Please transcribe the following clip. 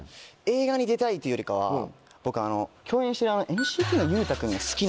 映画に出たいというよりかは僕共演してる。